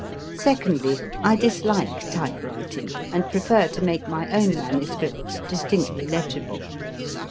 Secondly, I dislike type writing, and prefer to make my own MS. distinctly legible.